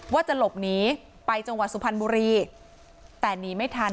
ว่าจะหลบหนีไปจังหวัดสุพรรณบุรีแต่หนีไม่ทัน